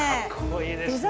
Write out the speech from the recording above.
いいですね。